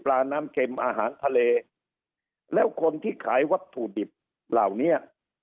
น้ำเข็มอาหารทะเลแล้วคนที่ขายวัตถุดิบเหล่านี้